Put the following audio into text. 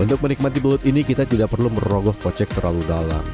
untuk menikmati belut ini kita tidak perlu merogoh kocek terlalu dalam